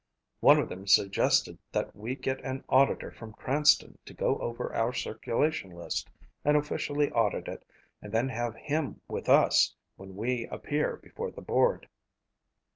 One of them suggested that we get an auditor from Cranston to go over our circulation list and officially audit it and then have him with us when we appear before the board."